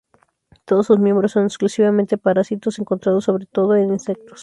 Todos sus miembros son exclusivamente parásitos, encontrados sobre todo en insectos.